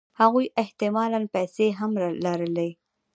هغوی احتمالاً پیسې هم لرلې